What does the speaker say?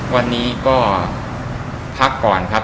วันนี้ก็พักก่อนครับ